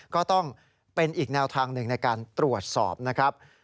ก็ต้องเป็นอีกแนวทางหนึ่งในการตรวจสอบนะครับ